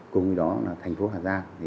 cùng với đó thành phố hà giang